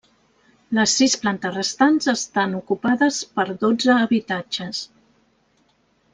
Les sis plantes restants estan ocupades per dotze habitatges.